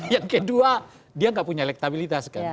yang kedua dia nggak punya elektabilitas kan